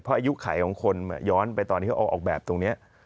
เพราะอายุไขของคนย้อนไปตอนที่เขาออกแบบตรงนี้